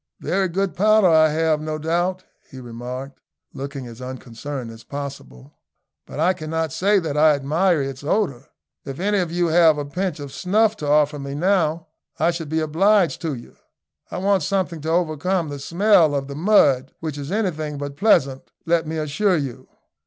"Very good powder I have no doubt," he remarked, looking as unconcerned as possible, "but I cannot say that I admire its odour. If any of you have a pinch of snuff to offer me now, I should be obliged to you. I want something to overcome the smell of the mud, which is anything but pleasant, let me assure you."